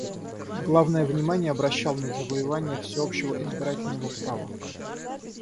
Главное внимание обращал на завоевание всеобщего избирательного права.